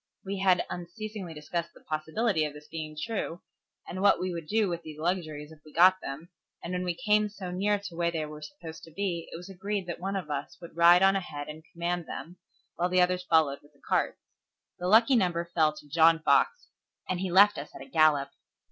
We had unceasingly discussed the probability of this being true, and what we would do with these luxuries if we got them, and when we came so near to where they were supposed to be, it was agreed that one of us would ride on ahead and command them, while the others followed with the carts. The lucky number fell to John Fox, and he left us at a gallop.